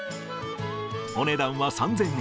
お値段は３０００円。